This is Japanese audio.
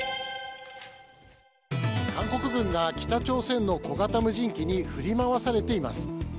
韓国軍が北朝鮮の小型無人機に振り回されています。